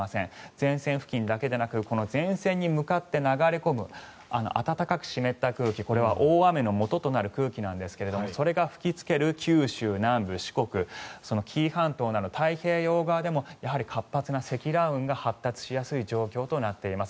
前線付近だけでなく前線に向かって流れ込む暖かく湿った空気、これは大雨のもととなる空気なんですがそれが吹きつける九州南部、四国、紀伊半島など太平洋側でもやはり活発な積乱雲が発達しやすい状況となっています。